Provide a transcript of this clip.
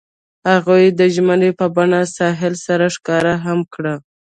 هغوی د ژمنې په بڼه ساحل سره ښکاره هم کړه.